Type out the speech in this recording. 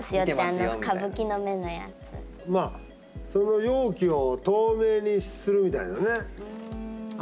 まあその容器を透明にするみたいなね。